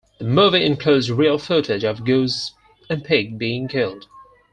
The movie includes real footage of a goose and pig being killed.